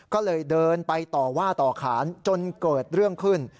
ก็เลยเดินไปต่อว่าต่อขานจนเกิดเรื่องขึ้น